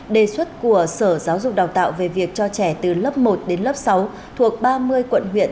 đề xuất của sở giáo dục đào tạo về việc cho trẻ từ lớp một đến lớp sáu thuộc ba mươi quận huyện